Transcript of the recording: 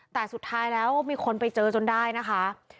แต่สุดท้ายแล้วมีคนไปเจอจนได้นะคะ